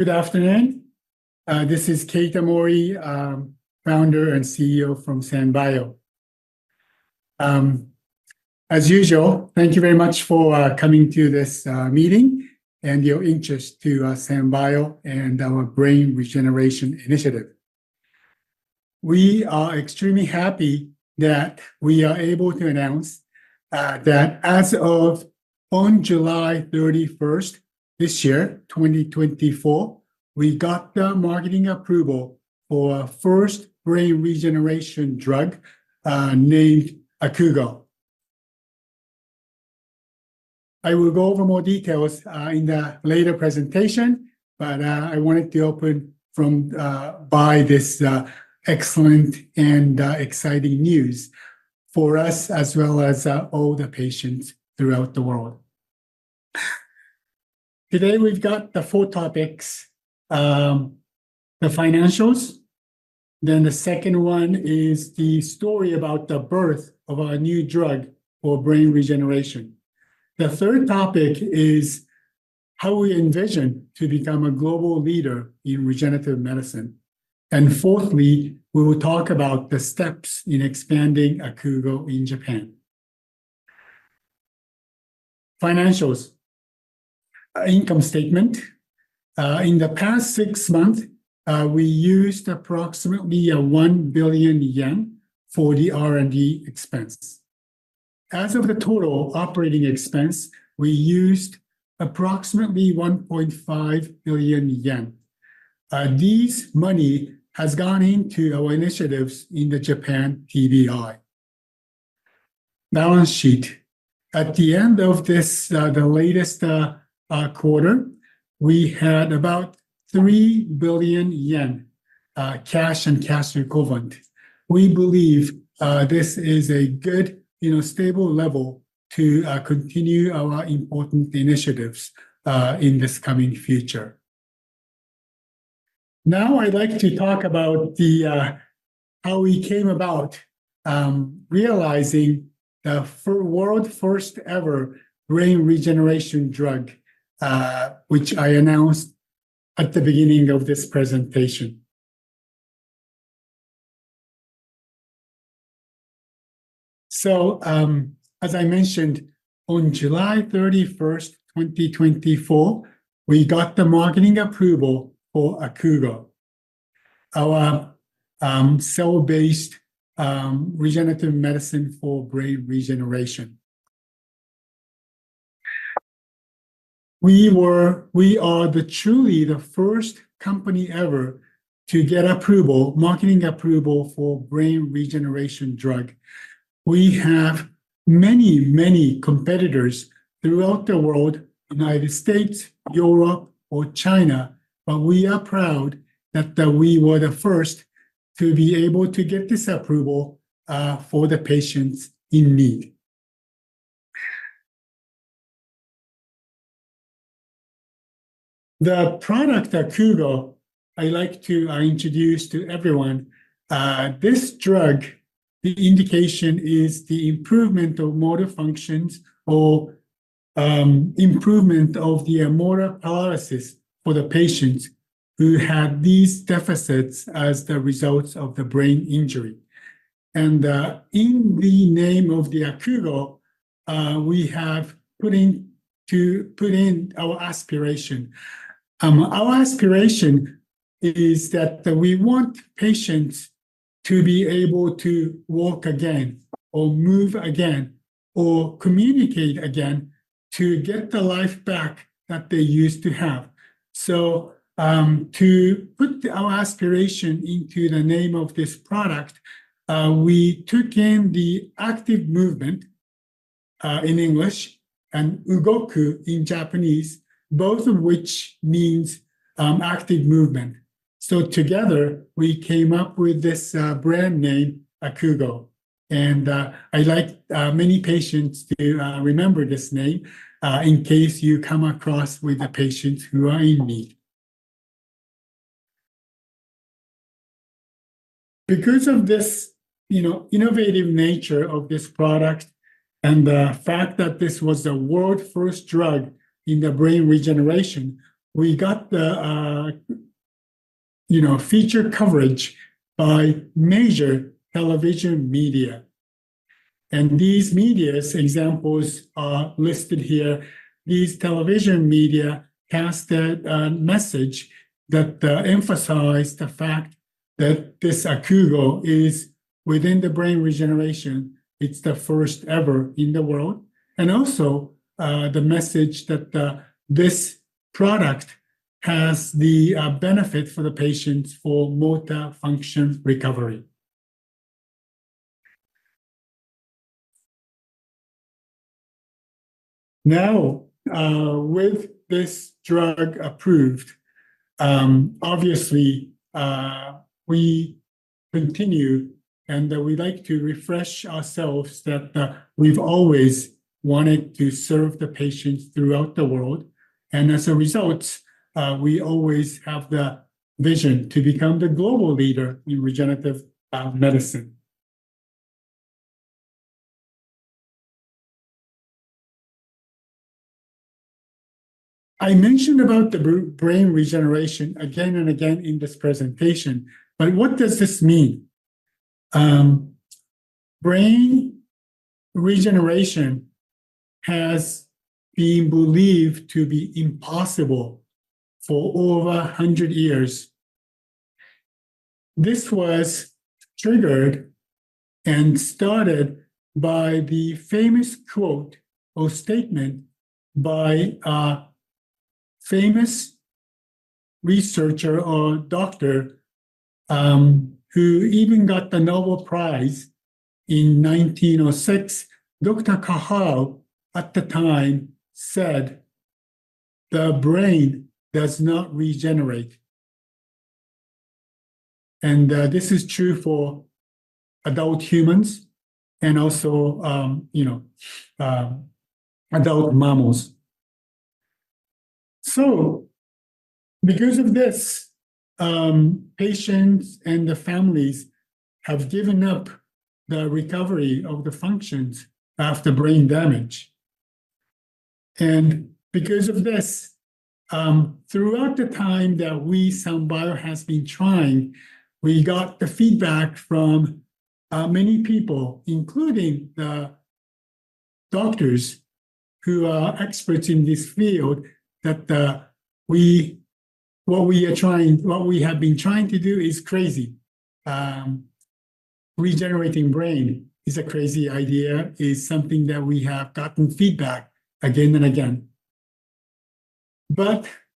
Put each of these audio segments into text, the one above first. Good afternoon. This is Keita Mori, founder and CEO from SanBio. As usual, thank you very much for coming to this meeting and your interest in SanBio and our brain regeneration initiative. We are extremely happy that we are able to announce that as of July 31, 2024, we got the marketing approval for our first brain regeneration drug, named Akugo. I will go over more details in the later presentation, but I wanted to open with this excellent and exciting news for us as well as all the patients throughout the world. Today we've got four topics. The financials, then the second one is the story about the birth of our new drug for brain regeneration. The third topic is how we envision to become a global leader in regenerative medicine. Fourthly, we will talk about the steps in expanding Akugo in Japan. Financials, income statement. In the past six months, we used approximately 1 billion yen for the R&D expense. As of the total operating expense, we used approximately 1.5 billion yen. This money has gone into our initiatives in the Japan TBI. Balance sheet. At the end of this, the latest quarter, we had about 3 billion yen cash and cash equivalent. We believe this is a good, you know, stable level to continue our important initiatives in this coming future. Now I'd like to talk about how we came about realizing the world's first-ever brain regeneration drug, which I announced at the beginning of this presentation. As I mentioned, on July 31, 2024, we got the marketing approval for Akugo, our cell-based regenerative medicine for brain regeneration. We are truly the first company ever to get marketing approval for a brain regeneration drug. We have many, many competitors throughout the world, the United States, Europe, or China, but we are proud that we were the first to be able to get this approval for the patients in need. The product Akugo, I'd like to introduce to everyone. This drug, the indication is the improvement of motor functions or improvement of the motor paralysis for the patients who have these deficits as the result of the brain injury. In the name of Akugo, we have put in our aspiration. Our aspiration is that we want patients to be able to walk again, or move again, or communicate again to get the life back that they used to have. To put our aspiration into the name of this product, we took in the active movement in English and ugoku in Japanese, both of which mean active movement. Together, we came up with this brand name Akugo. I'd like many patients to remember this name in case you come across patients who are in need. Because of this innovative nature of this product and the fact that this was the world's first drug in brain regeneration, we got feature coverage by major television media. These media examples are listed here. These television media passed a message that emphasized the fact that this Akugo is within brain regeneration. It's the first ever in the world. Also, the message that this product has the benefit for the patients for motor function recovery. Now, with this drug approved, obviously, we continue and we'd like to refresh ourselves that we've always wanted to serve the patients throughout the world. As a result, we always have the vision to become the global leader in regenerative medicine. I mentioned brain regeneration again and again in this presentation, but what does this mean? Brain regeneration has been believed to be impossible for over 100 years. This was triggered and started by the famous quote or statement by a famous researcher or doctor who even got the Nobel Prize in 1906. Dr. Cahill, at the time, said, "The brain does not regenerate." This is true for adult humans and also adult mammals. Because of this, patients and the families have given up the recovery of the functions after brain damage. Throughout the time that we SanBio have been trying, we got the feedback from many people, including the doctors who are experts in this field, that what we are trying, what we have been trying to do is crazy. Regenerating brain is a crazy idea is something that we have gotten feedback again and again.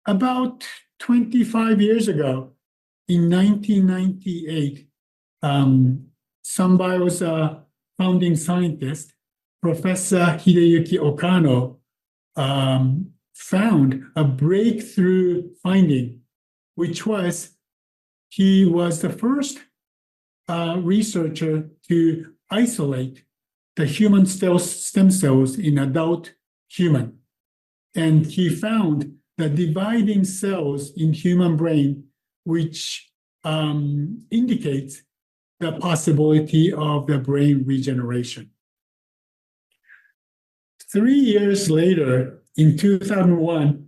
About 25 years ago, in 1998, SanBio's founding scientist, Professor Hideyuki Okano, found a breakthrough finding, which was he was the first researcher to isolate the human stem cells in adult humans. He found dividing cells in the human brain, which indicates the possibility of brain regeneration. Three years later, in 2001,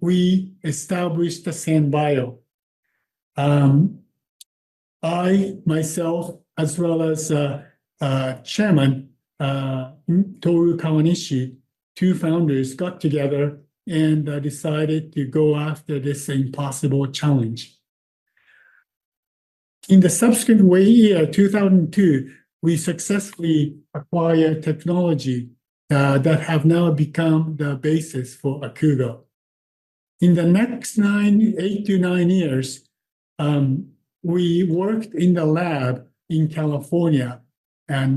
we established SanBio. I, myself, as well as Chairman Toru Kawanishi, two founders got together and decided to go after this impossible challenge. In the subsequent way, in 2002, we successfully acquired technology that has now become the basis for Akugo. In the next eight to nine years, we worked in the lab in California, and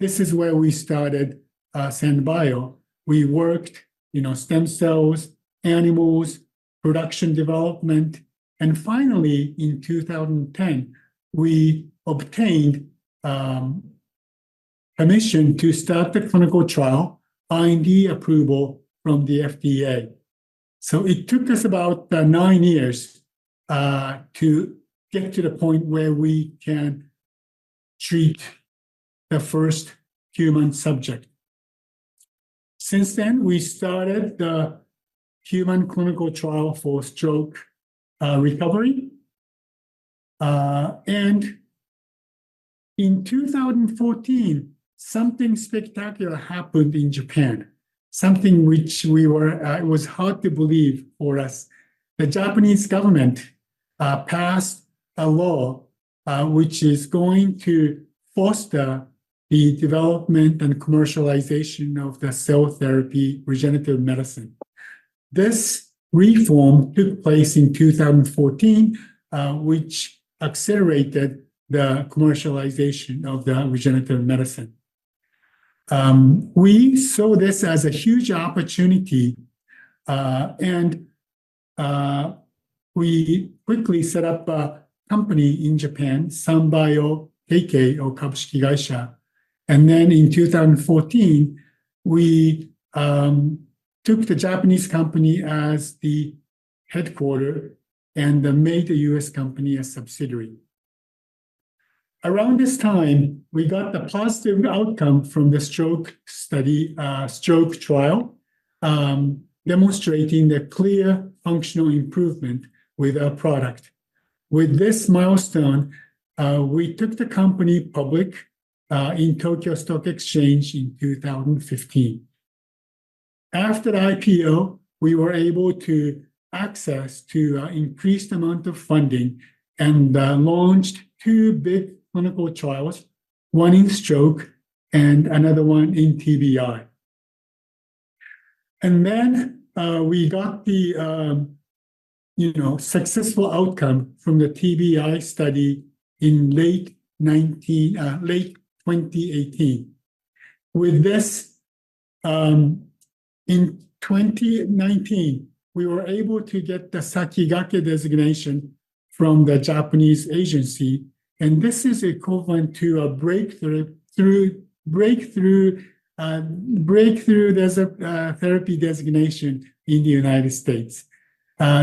this is where we started SanBio. We worked, you know, stem cells, animals, production development, and finally, in 2010, we obtained permission to start the clinical trial, R&D approval from the FDA. It took us about nine years to get to the point where we can treat the first human subject. Since then, we started the human clinical trial for stroke recovery. In 2014, something spectacular happened in Japan, something which we were, it was hard to believe for us. The Japanese government passed a law which is going to foster the development and commercialization of the cell therapy regenerative medicine. This reform took place in 2014, which accelerated the commercialization of the regenerative medicine. We saw this as a huge opportunity, and we quickly set up a company in Japan, SanBio a.k.a. or Kobushi Gaisha. In 2014, we took the Japanese company as the headquarter and made the U.S. company a subsidiary. Around this time, we got the positive outcome from the stroke study, stroke trial, demonstrating the clear functional improvement with our product. With this milestone, we took the company public in Tokyo Stock Exchange in 2015. After the IPO, we were able to access an increased amount of funding and launched two big clinical trials, one in stroke and another one in TBI. We got the successful outcome from the TBI study in late 2018. In 2019, we were able to get the Sakigake designation from the Japanese agency. This is equivalent to a Breakthrough Therapy designation in the U.S.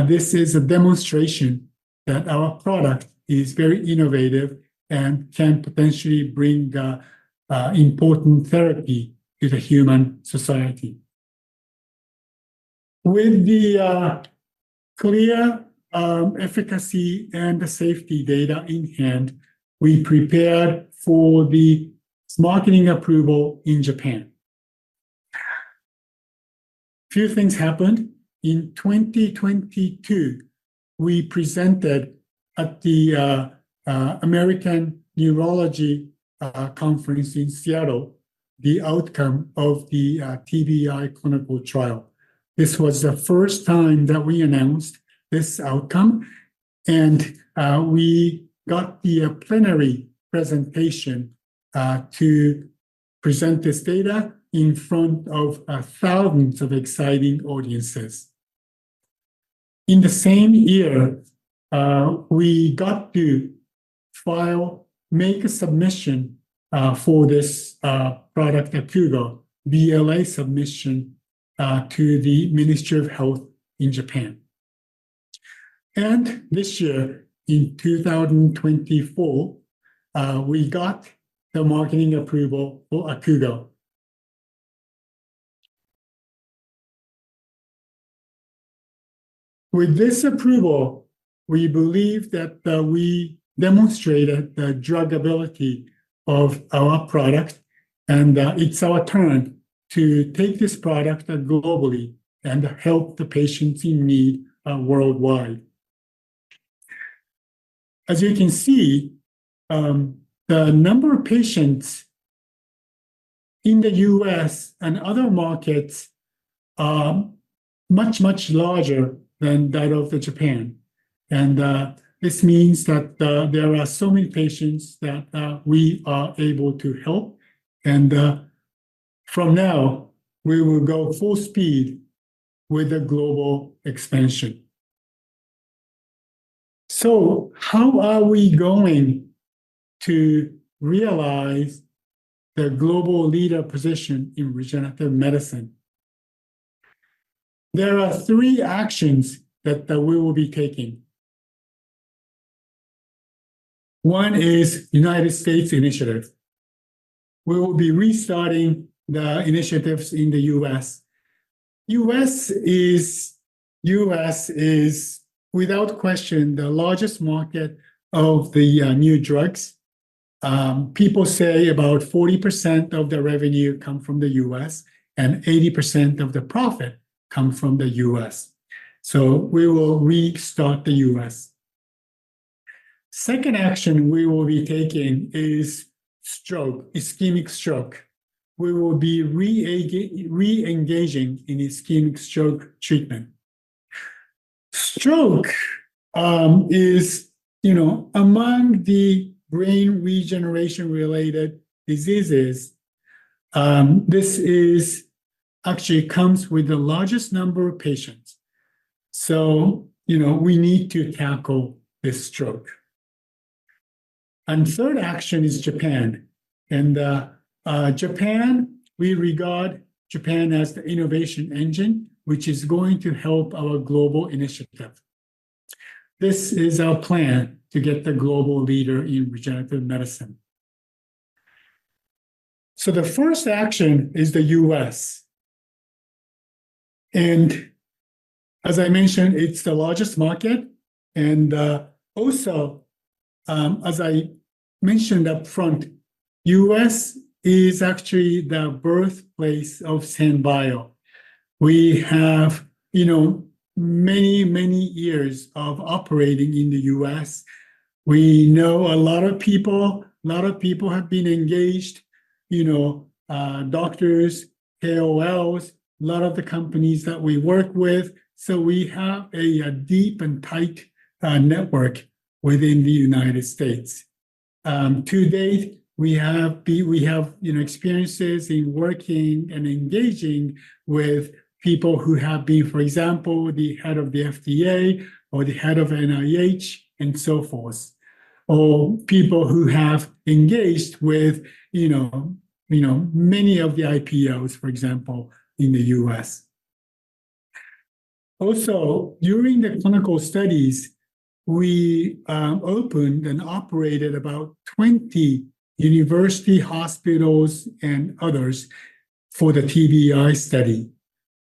This is a demonstration that our product is very innovative and can potentially bring important therapy to the human society. With the clear efficacy and the safety data in hand, we prepared for the marketing approval in Japan. A few things happened. In 2022, we presented at the American Neurology Conference in Seattle the outcome of the TBI clinical trial. This was the first time that we announced this outcome. We got the plenary presentation to present this data in front of thousands of exciting audiences. In the same year, we got to file, make a submission for this product, Akugo, BLA submission to the Ministry of Health in Japan. This year, in 2024, we got the marketing approval for Akugo. With this approval, we believe that we demonstrated the drug ability of our product, and it's our turn to take this product globally and help the patients in need worldwide. As you can see, the number of patients in the U.S. and other markets is much, much larger than that of Japan. This means that there are so many patients that we are able to help. From now, we will go full speed with the global expansion. How are we going to realize the global leader position in regenerative medicine? There are three actions that we will be taking. One is the United States initiative. We will be restarting the initiatives in the U.S. The U.S. is, without question, the largest market of the new drugs. People say about 40% of the revenue comes from the U.S., and 80% of the profit comes from the U.S. We will restart the U.S. The second action we will be taking is stroke, ischemic stroke. We will be re-engaging in ischemic stroke treatment. Stroke is, you know, among the brain regeneration-related diseases. This actually comes with the largest number of patients. We need to tackle this stroke. The third action is Japan. Japan, we regard Japan as the innovation engine, which is going to help our global initiative. This is our plan to get the global leader in regenerative medicine. The first action is the U.S. As I mentioned, it's the largest market. Also, as I mentioned up front, the U.S. is actually the birthplace of SanBio Company Limited. We have, you know, many, many years of operating in the U.S. We know a lot of people, a lot of people have been engaged, you know, doctors, KOLs, a lot of the companies that we work with. We have a deep and tight network within the United States. To date, we have, you know, experiences in working and engaging with people who have been, for example, the head of the FDA or the head of NIH and so forth, or people who have engaged with, you know, many of the IPOs, for example, in the U.S. Also, during the clinical studies, we opened and operated about 20 university hospitals and others for the TBI study.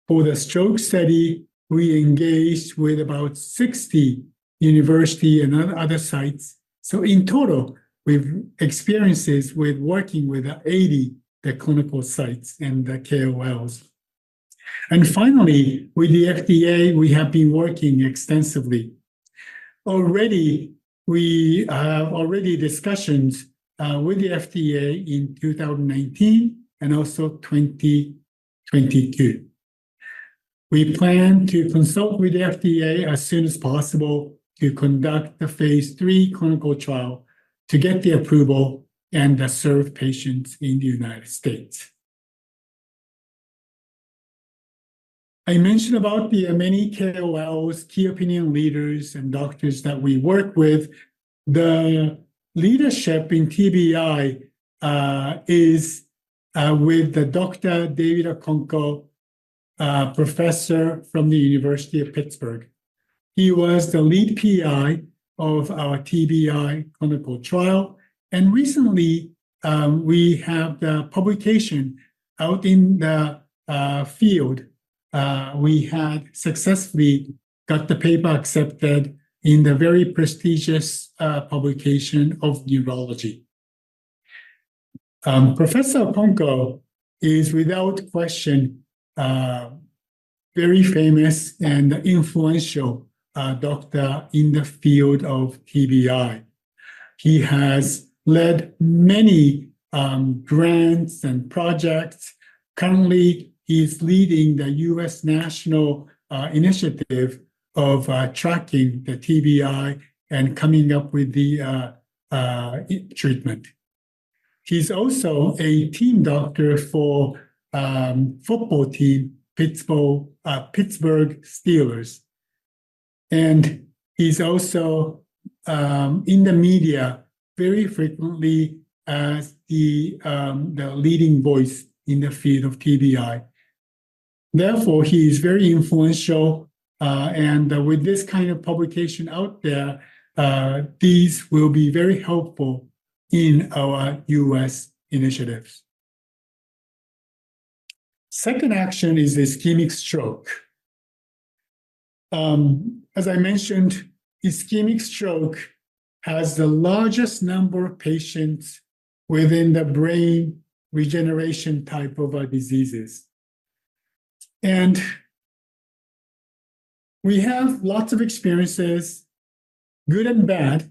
For the stroke study, we engaged with about 60 universities and other sites. In total, we've experienced with working with 80 clinical sites and the KOLs. Finally, with the FDA, we have been working extensively. Already, we have already discussions with the FDA in 2019 and also 2022. We plan to consult with the FDA as soon as possible to conduct a Phase III clinical trial to get the approval and serve patients in the U.S. I mentioned about the many KOLs, key opinion leaders, and doctors that we work with. The leadership in TBI is with Dr. David Okonkwo, a professor from the University of Pittsburgh. He was the lead PI of our TBI clinical trial. Recently, we have the publication out in the field. We had successfully got the paper accepted in the very prestigious publication of Neurology. Professor Okonkwo is, without question, a very famous and influential doctor in the field of TBI. He has led many grants and projects. Currently, he is leading the U.S. national initiative of tracking the TBI and coming up with the treatment. He's also a team doctor for the football team, Pittsburgh Steelers. He's also in the media very frequently as the leading voice in the field of TBI. Therefore, he is very influential. With this kind of publication out there, these will be very helpful in our U.S. initiatives. The second action is ischemic stroke. As I mentioned, ischemic stroke has the largest number of patients within the brain regeneration type of diseases. We have lots of experiences, good and bad.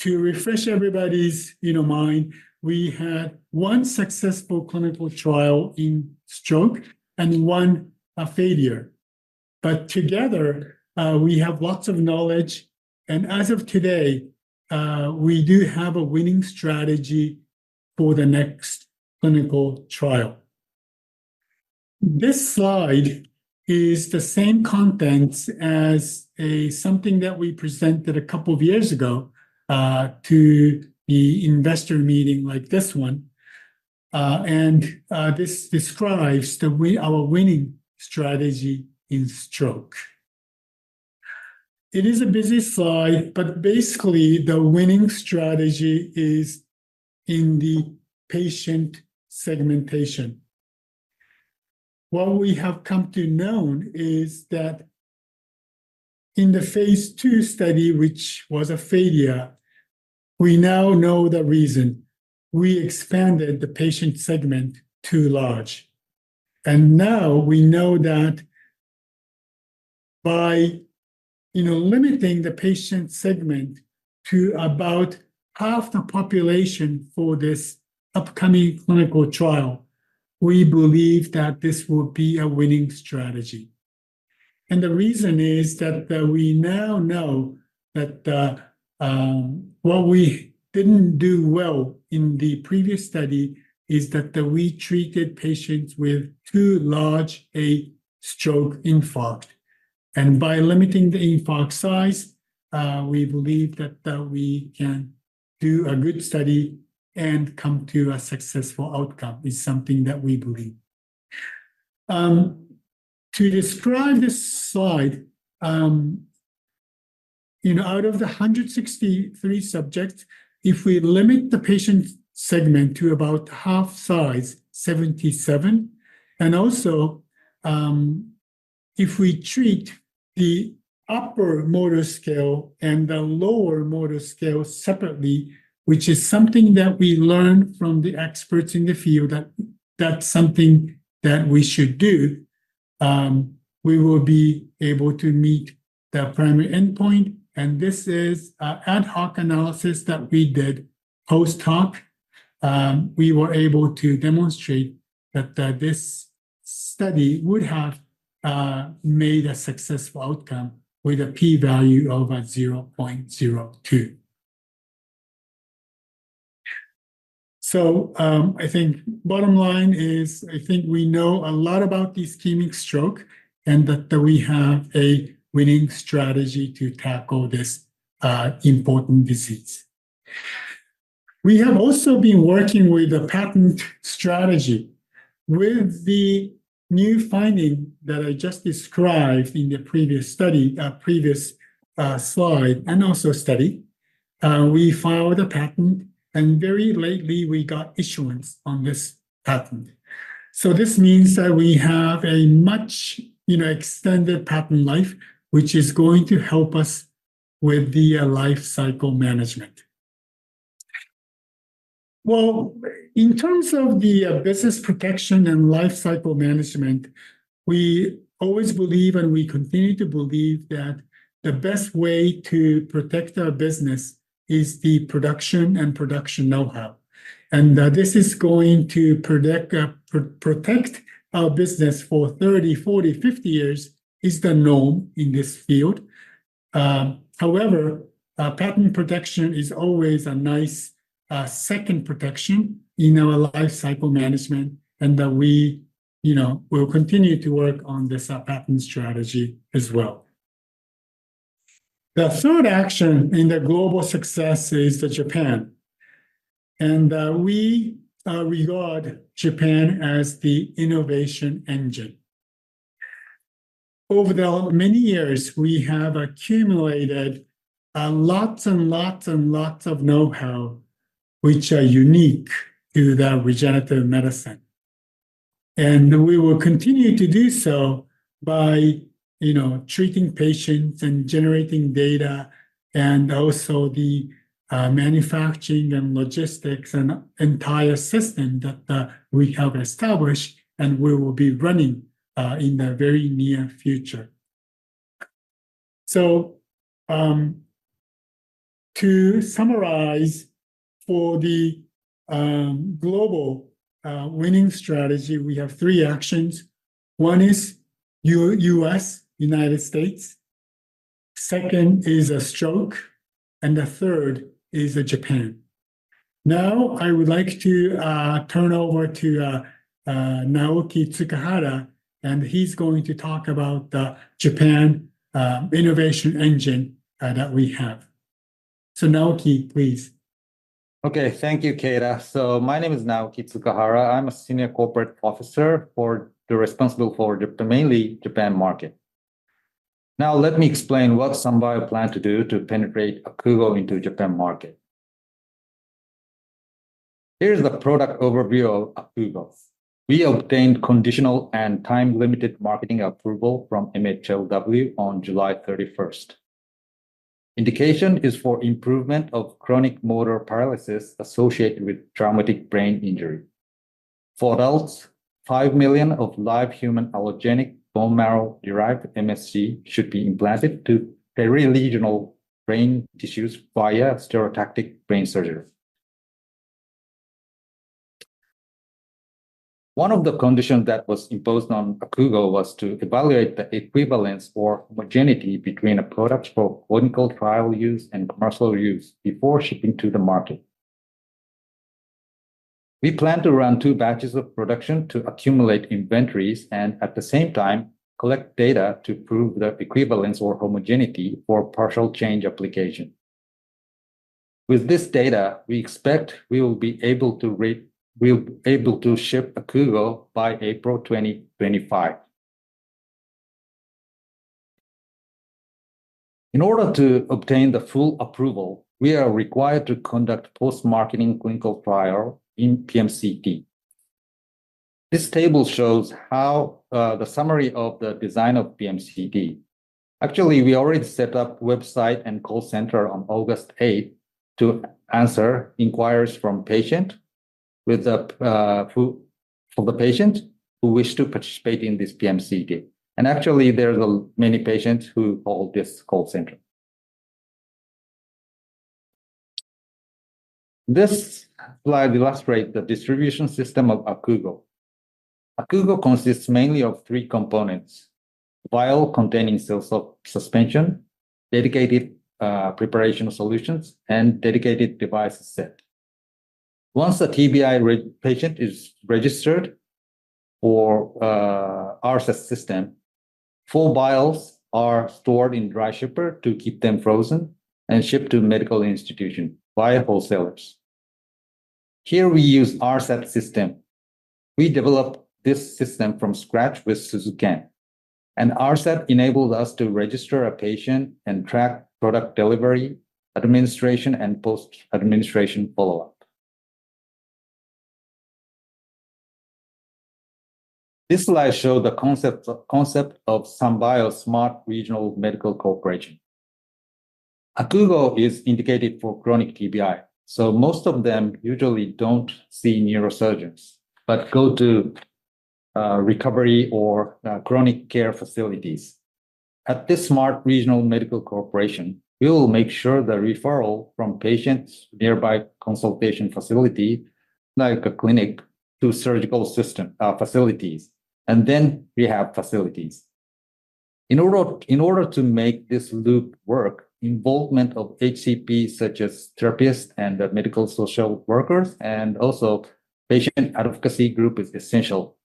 To refresh everybody's mind, we had one successful clinical trial in stroke and one failure. Together, we have lots of knowledge. As of today, we do have a winning strategy for the next clinical trial. This slide is the same content as something that we presented a couple of years ago to the investor meeting like this one. This describes our winning strategy in stroke. It is a busy slide, but basically, the winning strategy is in the patient segmentation. What we have come to know is that in the Phase 2 study, which was a failure, we now know the reason. We expanded the patient segment too large. Now we know that by limiting the patient segment to about half the population for this upcoming clinical trial, we believe that this will be a winning strategy. The reason is that we now know that what we didn't do well in the previous study is that we treated patients with too large a stroke infarct. By limiting the infarct size, we believe that we can do a good study and come to a successful outcome is something that we believe. To describe this slide, you know, out of the 163 subjects, if we limit the patient segment to about half size, 77, and also if we treat the upper motor scale and the lower motor scale separately, which is something that we learned from the experts in the field, that that's something that we should do, we will be able to meet the primary endpoint. This is an ad hoc analysis that we did post-hoc. We were able to demonstrate that this study would have made a successful outcome with a p-value of 0.02. I think bottom line is I think we know a lot about the ischemic stroke and that we have a winning strategy to tackle this important disease. We have also been working with a patent strategy. With the new finding that I just described in the previous study, previous slide and also study, we filed a patent and very lately we got issuance on this patent. This means that we have a much, you know, extended patent life, which is going to help us with the life cycle management. In terms of the business protection and life cycle management, we always believe and we continue to believe that the best way to protect our business is the production and production know-how. This is going to protect our business for 30, 40, 50 years is the norm in this field. However, patent protection is always a nice second protection in our life cycle management and that we, you know, will continue to work on this patent strategy as well. The third action in the global success is Japan. We regard Japan as the innovation engine. Over the many years, we have accumulated lots and lots and lots of know-how, which are unique to the regenerative medicine. We will continue to do so by, you know, treating patients and generating data and also the manufacturing and logistics and entire system that we have established and we will be running in the very near future. To summarize, for the global winning strategy, we have three actions. One is the U.S., United States. Second is a stroke. The third is Japan. Now, I would like to turn over to Naoki Tsukahara. He's going to talk about the Japan innovation engine that we have. Naoki, please. Okay, thank you, Keita. My name is Naoki Tsukahara. I'm a Senior Corporate Officer responsible for mainly the Japan market. Now, let me explain what SanBio plans to do to penetrate Akugo into the Japan market. Here's the product overview of Akugo. We obtained conditional and time-limited marketing approval from MHLW on July 31, 2023. The indication is for improvement of chronic motor paralysis associated with traumatic brain injury. For adults, 5 million of live human allogeneic bone marrow-derived MSCs should be implanted to perilegional brain tissues via stereotactic brain surgery. One of the conditions that was imposed on Akugo was to evaluate the equivalence or homogeneity between the products for clinical trial use and commercial use before shipping to the market. We plan to run two batches of production to accumulate inventories and, at the same time, collect data to prove the equivalence or homogeneity for partial change application. With this data, we expect we will be able to ship Akugo by April 2025. In order to obtain the full approval, we are required to conduct post-marketing clinical trial in PMCD. This table shows the summary of the design of PMCD. Actually, we already set up a website and call center on August 8, 2023 to answer inquiries from patients who wish to participate in this PMCD. There are many patients who call this call center. This slide illustrates the distribution system of Akugo. Akugo consists mainly of three components: vial containing cells of suspension, dedicated preparation solutions, and dedicated device set. Once a TBI patient is registered for the RSET system, full vials are stored in dry shipper to keep them frozen and shipped to medical institutions via wholesalers. Here, we use the RSET system. We developed this system from scratch with Suzukan. RSET enables us to register a patient and track product delivery, administration, and post-administration follow-up. This slide shows the concept of SanBio's Smart Regional Medical Corporation. Akugo is indicated for chronic TBI. Most of them usually don't see neurosurgeons but go to recovery or chronic care facilities. At this Smart Regional Medical Corporation, we will make sure the referral from patients' nearby consultation facilities, like a clinic, to surgical facilities, and then rehab facilities. In order to make this loop work, involvement of HCP, such as therapists and medical social workers, and also patient advocacy groups is essential.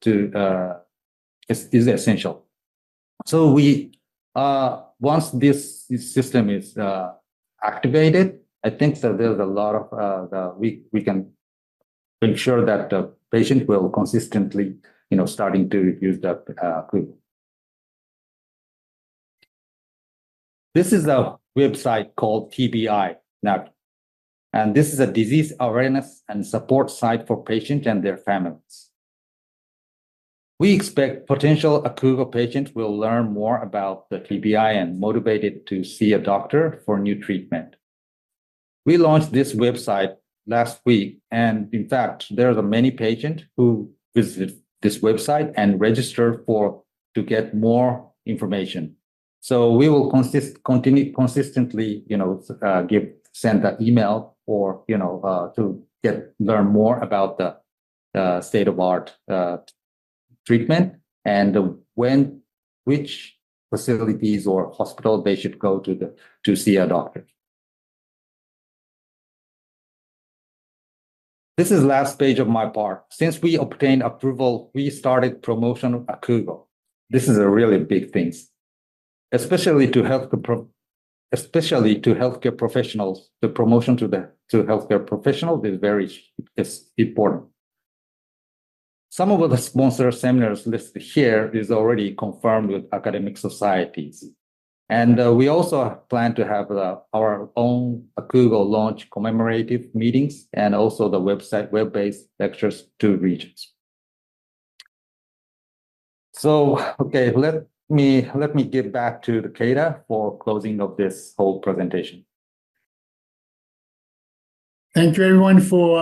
Once this system is activated, I think that there's a lot of ways we can ensure that the patient will consistently, you know, start to use the Akugo. This is a website called TBI Net. This is a disease awareness and support site for patients and their families. We expect potential Akugo patients will learn more about the TBI and be motivated to see a doctor for new treatment. We launched this website last week. In fact, there are many patients who visit this website and register to get more information. We will continue to consistently, you know, send the email or, you know, to learn more about the state-of-the-art treatment and which facilities or hospital they should go to see a doctor. This is the last page of my part. Since we obtained approval, we started promotion of Akugo. This is a really big thing, especially to healthcare professionals. The promotion to healthcare professionals is very important. Some of the sponsored seminars listed here are already confirmed with academic societies. We also plan to have our own Akugo launch commemorative meetings and also the website web-based lectures to regions. Let me get back to Keita for closing of this whole presentation. Thank you, everyone, for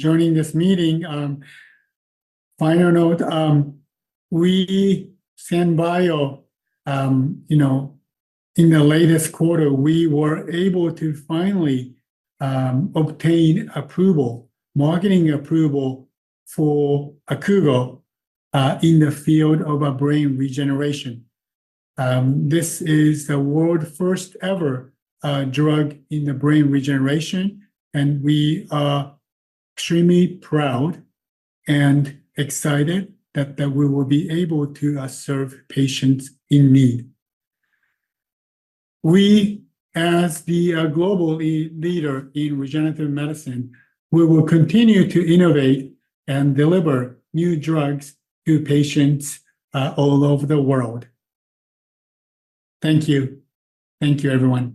joining this meeting. Final note, we, SanBio, in the latest quarter, we were able to finally obtain approval, marketing approval for Akugo in the field of brain regeneration. This is the world's first-ever drug in brain regeneration. We are extremely proud and excited that we will be able to serve patients in need. We, as the global leader in regenerative medicine, will continue to innovate and deliver new drugs to patients all over the world. Thank you. Thank you, everyone.